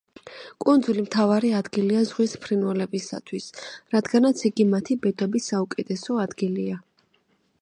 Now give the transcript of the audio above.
კუნძული მთავარი ადგილია ზღვის ფრინველებისათვის, რადგანაც იგი მათი ბუდობის საუკეთესო ადგილია.